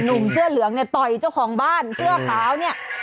หนุ่มเสื้อเหลืองเนี่ยต่อยเจ้าของบ้านเสื้อขาวเนี่ย